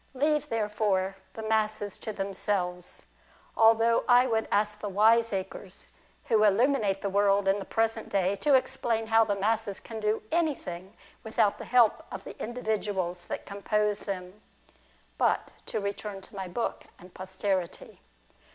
Leave therefore the masses to themselves ; although I would ask the wiseacres who illumine the world in the present day, to explain how the masses can do anything without the help of the individuals that compose them. But to return to my book, and posterity.